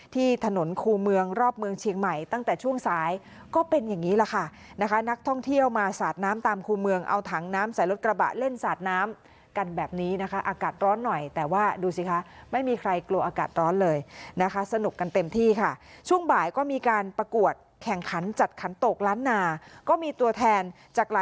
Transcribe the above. ที่ถนนคู่เมืองรอบเมืองเชียงใหม่ตั้งแต่ช่วงสายก็เป็นอย่างนี้แหละค่ะนะคะนักท่องเที่ยวมาสาดน้ำตามคู่เมืองเอาถังน้ำใส่รถกระบะเล่นสาดน้ำกันแบบนี้นะคะอากาศร้อนหน่อยแต่ว่าดูสิคะไม่มีใครกลัวอากาศร้อนเลยนะคะสนุกกันเต็มที่ค่ะช่วงบ่ายก็มีการประกวดแข่งขันจัดขันตกล้านนาก็มีตัวแทนจากหลาย